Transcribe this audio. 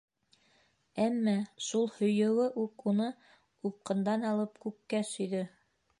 Әммә шул һөйөүе үк уны упҡындан алып, күккә сөйҙө.